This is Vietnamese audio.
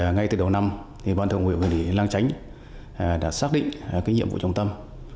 ngay từ đầu năm bàn thượng vụ huyện lạng chánh đã xác định nhiệm vụ trung tâm